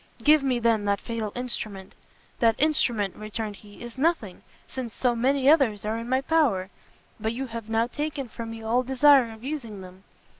"Give me, then, that fatal instrument!" "That instrument," returned he, "is nothing, since so many others are in my power; but you have now taken from me all desire of using them.